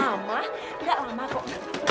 gak lama kok